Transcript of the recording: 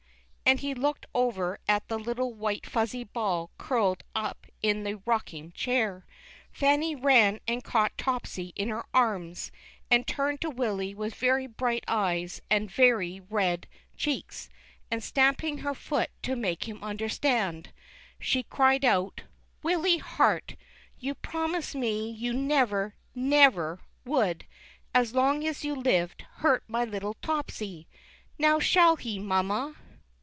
" And he looked over at the little white fuzzy ball curled up in the rocking chair. Fanny ran and caught Topsy in her arms, and turning to Willy Avith very bright eyes and very red 354 THE CHILDREN'S WONDER BOOK. cheeks, and stamping her foot to make him understand, she cried out, " Willy Hart, you promised me you never, never would, as long as you lived, hurt my little Topsy! Now shall he, mamma?"